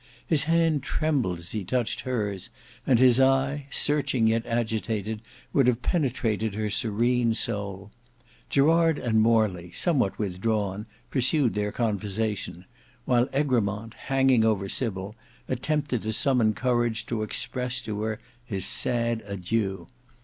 His hand trembled as he touched her's, and his eye, searching yet agitated, would have penetrated her serene soul. Gerard and Morley, somewhat withdrawn, pursued their conversation; while Egremont hanging over Sybil, attempted to summon courage to express to her his sad adieu.